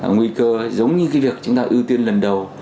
nguy cơ giống như cái việc chúng ta ưu tiên lần đầu